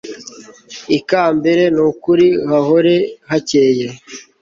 ikambere nukuri hahore hakeye